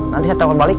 nanti saya telepon balik